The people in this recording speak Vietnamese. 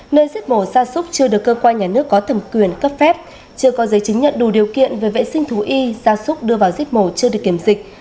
nơi giết mổ ra súc chưa được cơ quan nhà nước có thẩm quyền cấp phép chưa có giấy chứng nhận đủ điều kiện về vệ sinh thú y gia súc đưa vào giết mổ chưa được kiểm dịch